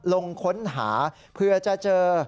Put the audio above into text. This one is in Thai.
ลงค้นหาเผื่อจะเจอ